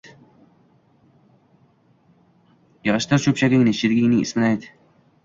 Yig`ishtir cho`pchagingni, sheringning ismini ayt